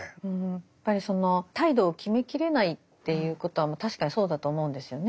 やっぱりその態度を決めきれないっていうことは確かにそうだと思うんですよね。